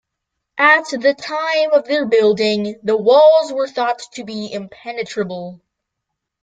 At the time of their building, the walls were thought to be impenetrable.